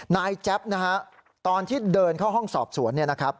นายแจ๊บตอนที่เดินเข้าห้องสอบสวน